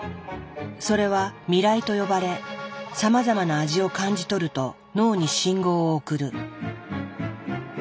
それは味らいと呼ばれさまざまな味を感じ取ると脳に信号を送る。